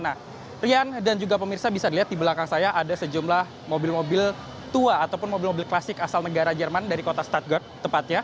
nah rian dan juga pemirsa bisa dilihat di belakang saya ada sejumlah mobil mobil tua ataupun mobil mobil klasik asal negara jerman dari kota start guard tepatnya